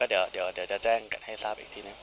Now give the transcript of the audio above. เดี๋ยวจะแจ้งให้ทราบอีกทีนึง